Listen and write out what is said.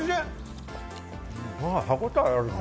歯応えあるね！